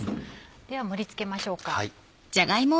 では盛り付けましょうか。